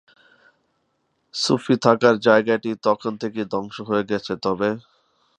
সূফী থাকার জায়গাটি তখন থেকেই ধ্বংস হয়ে গেছে তবে।